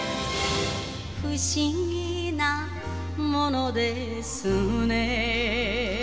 「不思議なものですね」